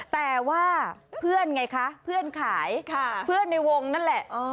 แต่ว่าเพื่อนไงคะเพื่อนขายเพื่อนในวงนั่นแหละ